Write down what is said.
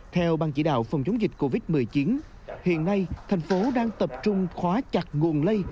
theo bang chỉ đạo phòng chống dịch covid một mươi chín hiện nay thành phố đang tập trung khóa chặt nguồn lây